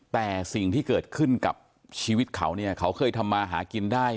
แต่สิ่งที่เกิดขึ้นกับชีวิตเขาเนี่ยเขาเคยทำมาหากินได้